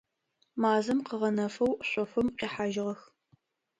Мазэм къыгъэнэфэу шъофым къихьажьыгъэх.